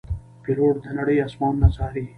پیلوټ د نړۍ آسمانونه څاري.